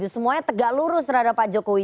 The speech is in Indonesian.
semuanya tegak lurus terhadap pak jokowi